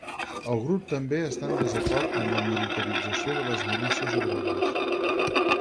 El grup també està en desacord amb la militarització de les milícies obreres.